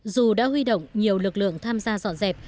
dù đã huy động nhiều lực lượng tham gia dọn dẹp